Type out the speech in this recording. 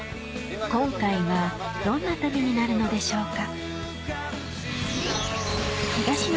今回はどんな旅になるのでしょうか？